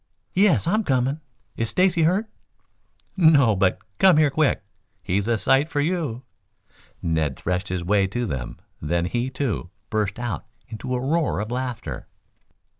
"Yes. I'm coming. Is Stacy hurt?" "No, but come here quick. Here's a sight for you!" Ned threshed his way to them, then he, too, burst out into a roar of laughter.